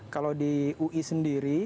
kalau di ui sendiri